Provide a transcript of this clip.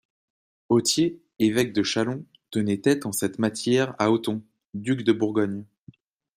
Gautier, évêque de Châlons, tenait tête en cette matière à Othon, duc de Bourgogne.